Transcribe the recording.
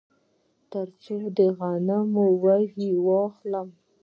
دا تر څو د غنمو وږي واخلم